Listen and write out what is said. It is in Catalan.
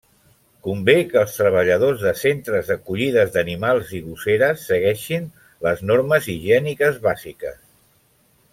Convé que els treballadors de centres d'acollida d'animals i gosseres segueixin les normes higièniques bàsiques.